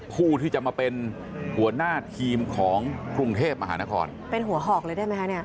ผู้ที่จะมาเป็นหัวหน้าทีมของกรุงเทพมหานครเป็นหัวหอกเลยได้ไหมคะเนี่ย